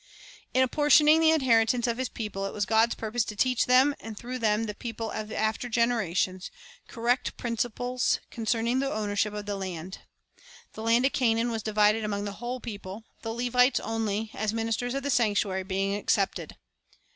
In apportioning the inheritance of His people, it was God's purpose to teach them, and through them the people of after generations, correct principles con cerning the ownership of the land. The land of Canaan was divided among the whole people, the Levites only, as ministers of the sanctuary, being excepted.